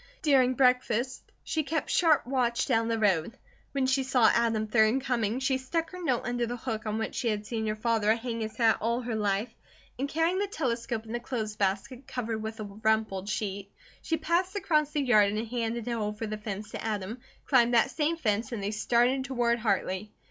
During breakfast she kept sharp watch down the road. When she saw Adam, 3d, coming she stuck her note under the hook on which she had seen her father hang his hat all her life, and carrying the telescope in the clothes basket covered with a rumpled sheet, she passed across the yard and handed it over the fence to Adam, climbed that same fence, and they started toward Hartley.